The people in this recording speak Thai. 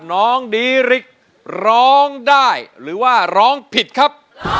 น้องดีริกร้องได้หรือว่าร้องผิดครับ